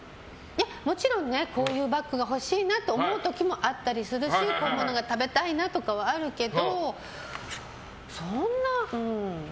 もちろんこういうバッグが欲しいなと思う時もあったりするしこういうものが食べたいなとかはあるけどそんなうん。